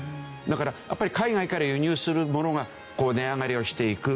だからやっぱり海外から輸入するものが値上がりをしていく。